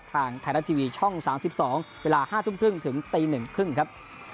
ทางไทยรัฐทีวีช่อง๓๒เวลา๕ทุ่มครึ่งถึงตี๑๓๐ครับ